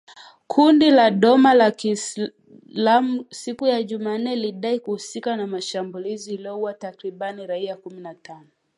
Kundi la doma ya kiislamu siku ya Jumanne lilidai kuhusika na shambulizi lililoua takribani raia kumi na tano